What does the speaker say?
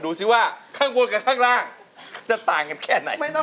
ข้างบนกับข้างล่างจะต่างกันแค่ไหน